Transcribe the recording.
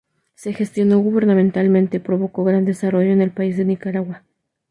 Su gestión gubernamental provocó gran desarrollo en el país de Nicaragua.